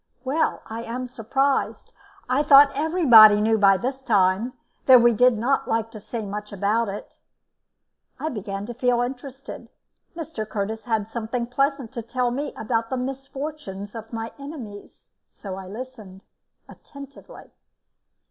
"Well, I am surprised. I thought everybody knew by this time, though we did not like to say much about it." I began to feel interested. Mr. Curtis had something pleasant to tell me about the misfortunes of my enemies, so I listened attentively.